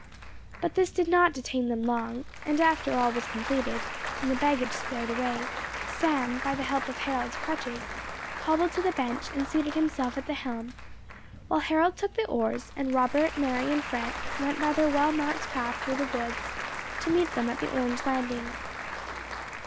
But this did not detain them long, and after all was completed, and the baggage stowed away, Sam, by the help of Harold's crutches, hobbled to the beach, and seated himself at the helm, while Harold took the oars, and Robert, Mary and Frank went by their well marked path through the woods, to meet them at the orange landing.